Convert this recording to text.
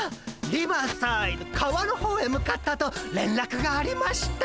リバーサイド川の方へ向かったとれんらくがありました。